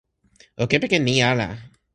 o kepeken ni ala!